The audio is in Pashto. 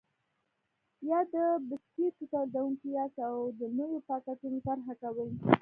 یا د بسکېټو تولیدوونکي یاست او د نویو پاکټونو طرحه کوئ.